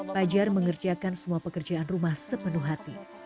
fajar mengerjakan semua pekerjaan rumah sepenuh hati